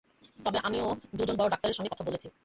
তবে আমি দু জন বড় ডাক্তারের সঙ্গে কথা বলেছি।